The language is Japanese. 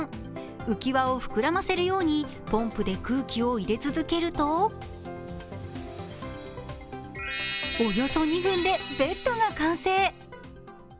浮き輪を膨らませるようにポンプで空気を入れ続けるとおよそ２分でベッドが完成。